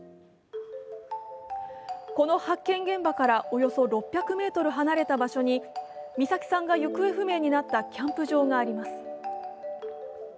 この発見現場からおよそ６００ｍ離れた場所に美咲さんが行方不明になったキャンプ場があります。